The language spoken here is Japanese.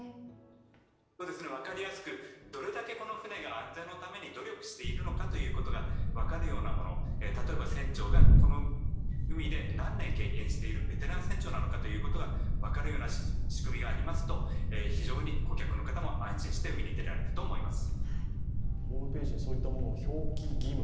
分かりやすく、どれだけこの船が安全のために努力しているのかが分かるようなもの、例えば船長がこの海で何年経験しているベテラン船長なのかということが分かるような仕組みがありますと非常に顧客の方も安心して海に出られると思います。